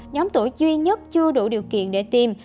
nhóm tuổi duy nhất chưa đủ điều kiện để tìm